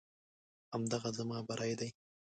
همدغه زما بری دی.